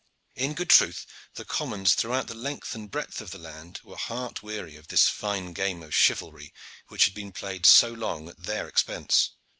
In good truth, the commons throughout the length and breadth of the land were heart weary of this fine game of chivalry which had been played so long at their expense.